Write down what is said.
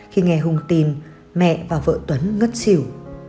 khi nghe hùng tìm mẹ và vợ tuấn ngất xỉu